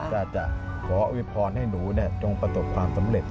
ก็จะขออวยพรให้หนูจงประสบความสำเร็จ